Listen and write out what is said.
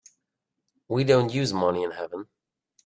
We don't use money in heaven.